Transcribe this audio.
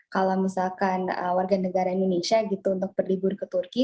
kalau misalkan warga negara indonesia gitu untuk berlibur ke turki